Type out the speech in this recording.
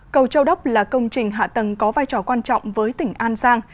cầu châu đốc là công trình hạ tầng có vai trò quan trọng với tỉnh an giang